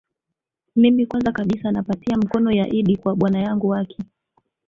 mimi kwanza kabisa napatia mkono ya idd kwa bwana yangu aki